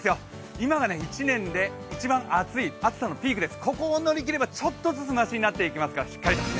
今が１年で一番暑い暑さのピークです。